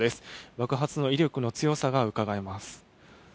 爆発の威力の強さがうかがえます。